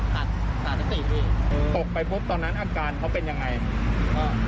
ตัดตัดทั้ง๔พี่ตกไปปุ๊บตอนนั้นอาการเขาเป็นยังไง